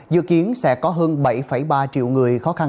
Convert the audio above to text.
dự kiến sẽ có hơn bảy ba triệu người khó khăn